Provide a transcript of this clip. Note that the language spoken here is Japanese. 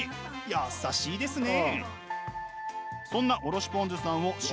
優しいですね。